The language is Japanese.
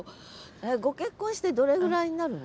ご結婚してどれぐらいになるの？